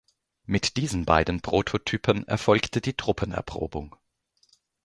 Mit diesen beiden Prototypen erfolgte die Truppenerprobung.